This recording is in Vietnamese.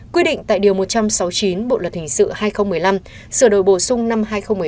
quy định tại điều một trăm sáu mươi chín bộ luật hình sự hai nghìn một mươi năm sửa đổi bổ sung năm hai nghìn một mươi năm